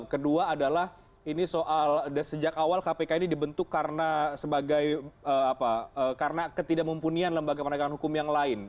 kedua adalah ini soal sejak awal kpk ini dibentuk karena sebagai ketidakmumpunian lembaga penegakan hukum yang lain